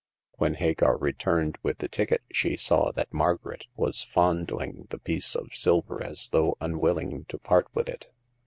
When Hagar returned with the ticket she saw that Margaret was fondling the piece of silver as though unwilling to part with it.